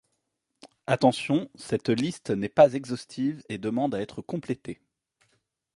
Attention, cette liste n'est pas exhaustive et demande à être complétée.